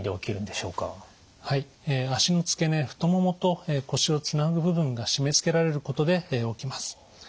足の付け根太ももと腰をつなぐ部分が締めつけられることで起きます。